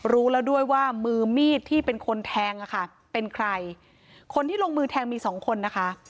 รู้แล้วด้วยว่ามือมีดที่เป็นคนแทงอ่ะค่ะเป็นใครคนที่ลงมือแทงมีสองคนนะคะ